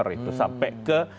itu sampai ke